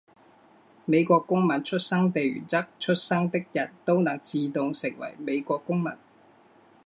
美国公民出生地原则出生的人都能自动成为美国公民。